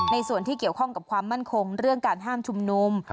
ส่วนที่เกี่ยวข้องกับความมั่นคงเรื่องการห้ามชุมนุม